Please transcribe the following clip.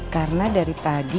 karena dari tadi